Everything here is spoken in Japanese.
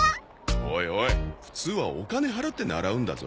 おいおい普通はお金払って習うんだぞ。